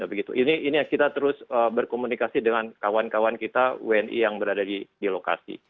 begitu ini yang kita terus berkomunikasi dengan kawan kawan kita wni yang berada di lokasi